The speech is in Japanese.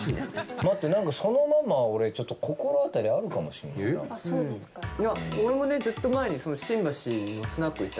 待って、なんかそのママ、俺、ちょっと心当たりあるかもしれないな。